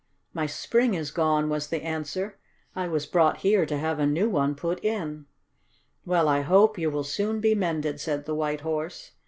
"My spring is gone," was the answer. "I was brought here to have a new one put in." "Well, I hope you will soon be mended," said the White Horse.